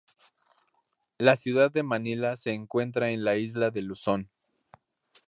La ciudad de Manila se encuentra en la isla de Luzón.